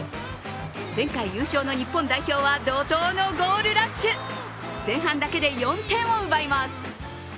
前回優勝の日本代表は怒とうのゴールラッシュ前半だけで４点を奪います。